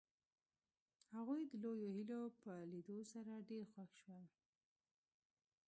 هغوی د نویو هیلو په لیدو سره ډېر خوښ شول